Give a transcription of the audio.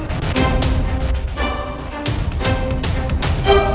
tidak ada apa apa